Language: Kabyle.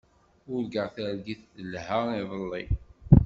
Urgaɣ targit telha iḍelli.